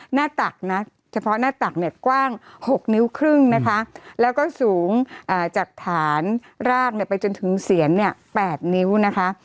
ตักนะเฉพาะหน้าตักเนี่ยกว้าง๖นิ้วครึ่งนะคะแล้วก็สูงจากฐานรากเนี่ยไปจนถึงเสียนเนี่ย๘นิ้วนะคะ